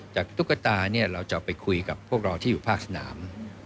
ตุ๊กตาเนี่ยเราจะไปคุยกับพวกเราที่อยู่ภาคสนาม